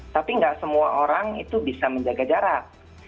tapi nggak semua orang itu bisa menjaga jarak